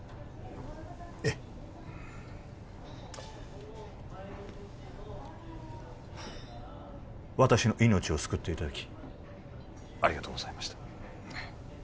ええ私の命を救っていただきありがとうございました